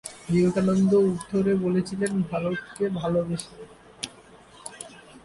বিবেকানন্দ উত্তরে বলেছিলেন, "ভারতকে ভালবেসে"।